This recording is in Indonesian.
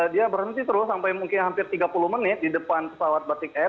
dia berhenti terus sampai mungkin hampir tiga puluh menit di depan pesawat batik air